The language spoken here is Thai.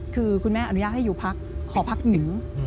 คุณแม่อนุญาตให้อยู่หอพักหญิง